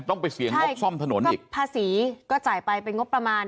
ต้องไปเสียงงบซ่อมถนนอีกภาษีก็จ่ายไปเป็นงบประมาณ